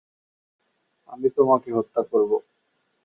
আমি তোমাকে হত্যা করবো।